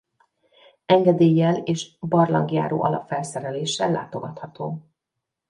Engedéllyel és barlangjáró alapfelszereléssel látogatható.